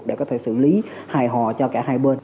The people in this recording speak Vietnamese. để có thể xử lý hài hòa cho cả hai bên